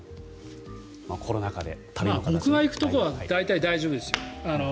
僕が行くところは大体大丈夫ですよ。